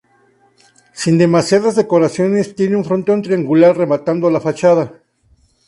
Sin demasiadas decoraciones, tiene un frontón triangular rematando la fachada.